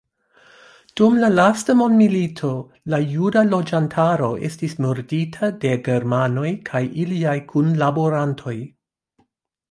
Dum la lasta mondmilito la juda loĝantaro estis murdita de germanoj kaj iliaj kunlaborantoj.